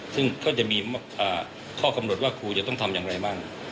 ซึ่งก็จะมีข้อกำหนดว่าครูจะต้องทำอย่างไรบ้าง